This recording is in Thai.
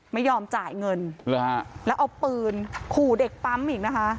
ไม่ยอมจ่ายเงินแล้วเอาปืนขู่เด็กปั๊มอีกนะคะ